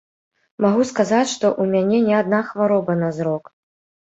Магу сказаць, што ў мяне не адна хвароба на зрок.